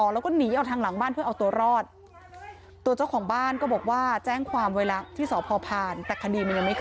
แล้วก็หนีเอาทางหลังบ้านเพื่อเอาตัวรอด